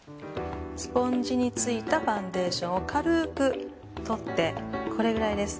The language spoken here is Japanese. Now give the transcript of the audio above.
スポンジについたファンデーションを軽く取ってこれくらいです。